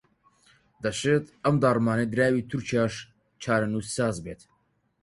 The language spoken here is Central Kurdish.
دەشێت ئەم داڕمانەی دراوی تورکیاش چارەنووسساز بێت